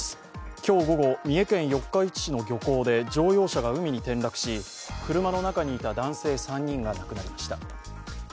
今日午後、三重県四日市市の漁港で乗用車が海に転落し、車の中にいた男性３人が亡くなりました。